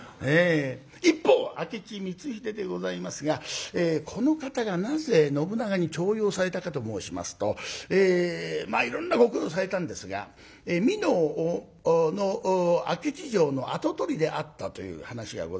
一方明智光秀でございますがこの方がなぜ信長に重用されたかと申しますとまあいろんなご苦労されたんですが美濃の明智城の跡取りであったという話がございます。